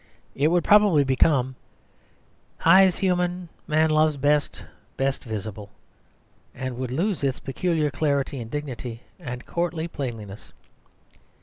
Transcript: It would probably become "High's human; man loves best, best visible," and would lose its peculiar clarity and dignity and courtly plainness.